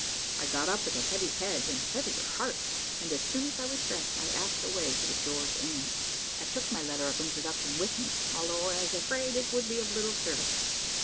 I got up with a heavy head, and heavier heart, and as soon as I was dressed, I asked the way to the George Inn. I took my letter of introduction with me, although I was afraid it would be of little service.